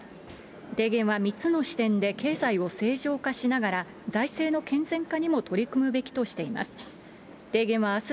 提言は３つの視点で経済を正常化しながら、財政の健全化にも取り組むべきとしています。